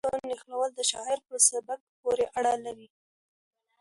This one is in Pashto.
د کلماتو نښلول د شاعر په سبک پورې اړه لري.